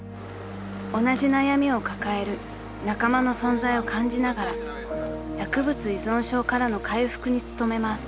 ［同じ悩みを抱える仲間の存在を感じながら薬物依存症からの回復に努めます］・ＯＫ！